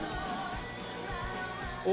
お！